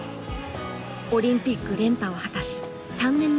オリンピック連覇を果たし３年前に引退。